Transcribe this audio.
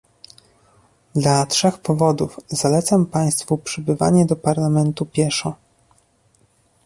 Dla trzech powodów zalecam państwu przybywanie do Parlamentu pieszo